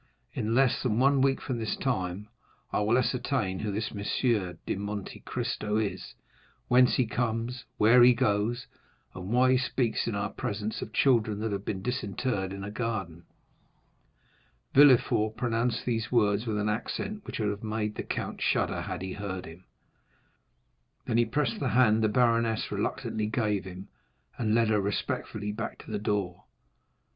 "In less than one week from this time I will ascertain who this M. de Monte Cristo is, whence he comes, where he goes, and why he speaks in our presence of children that have been disinterred in a garden." Villefort pronounced these words with an accent which would have made the count shudder had he heard him. Then he pressed the hand the baroness reluctantly gave him, and led her respectfully back to the door.